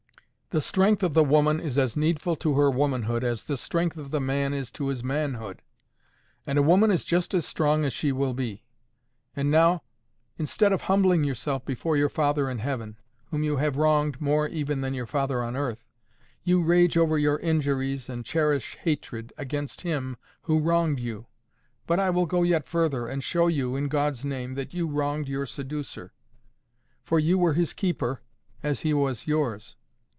The strength of the woman is as needful to her womanhood as the strength of the man is to his manhood; and a woman is just as strong as she will be. And now, instead of humbling yourself before your Father in heaven, whom you have wronged more even than your father on earth, you rage over your injuries and cherish hatred against him who wronged you. But I will go yet further, and show you, in God's name, that you wronged your seducer. For you were his keeper, as he was yours.